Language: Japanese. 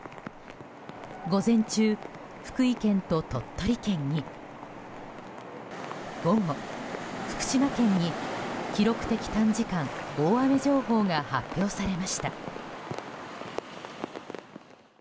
午前中、福井県と鳥取県に午後、福島県に記録的短時間大雨情報が発表されました。